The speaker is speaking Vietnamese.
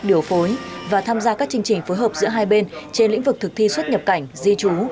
điều phối và tham gia các chương trình phối hợp giữa hai bên trên lĩnh vực thực thi xuất nhập cảnh di trú